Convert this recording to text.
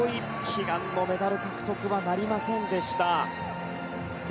悲願のメダル獲得はなりませんでした。